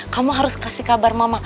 kamu harus kasih kabar mama